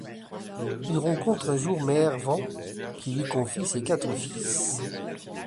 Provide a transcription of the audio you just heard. Il rencontre un jour Mère Vent qui lui confie ses quatre fils.